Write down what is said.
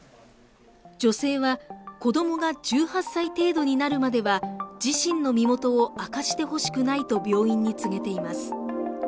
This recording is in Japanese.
女性は子どもが１８歳程度になるまでは自身の身元を明かしてほしくないと病院に告げています